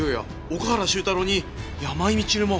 岡原周太郎に山井満留も。